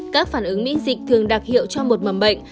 các phản ứng miễn dịch thường đặc hiệu cho một mầm bệnh